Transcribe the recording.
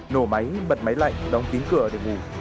nổ máy bật máy lạnh đóng kín cửa để ngủ